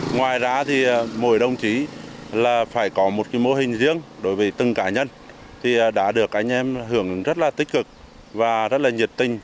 ngoài ra thì mỗi đồng chí là phải có một mô hình riêng đối với từng cá nhân thì đã được anh em hưởng ứng rất là tích cực và rất là nhiệt tình